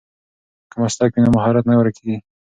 که مسلک وي نو مهارت نه ورکېږي.